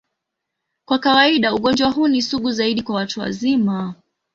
Kwa kawaida, ugonjwa huu ni sugu zaidi kwa watu wazima.